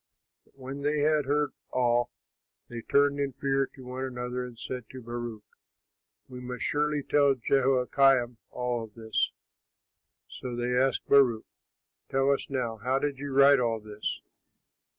But when they had heard all, they turned in fear to one another and said to Baruch, "We must surely tell Jehoiakim all this." So they asked Baruch, "Tell us now: how did you write all this?"